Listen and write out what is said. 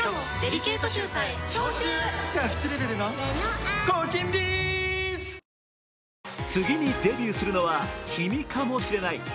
果たして次にデビューするのは君かもしれない。